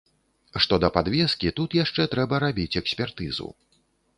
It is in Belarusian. Што да падвескі, тут яшчэ трэба рабіць экспертызу.